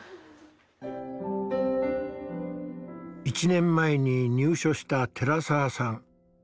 １年前に入所した寺澤さん。